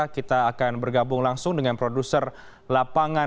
kita akan bergabung langsung dengan produser lapangan